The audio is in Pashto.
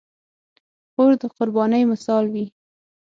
خور د قربانۍ مثال وي.